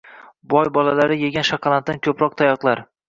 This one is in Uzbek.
Boy bolalari yegan shokoladdan ko'proq tayoqlar...